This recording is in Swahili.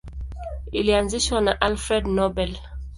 Ilianzishwa na Alfred Nobel.